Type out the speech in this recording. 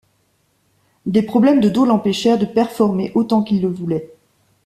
Des problèmes de dos l'empêchèrent de performer autant qu'il le voulait.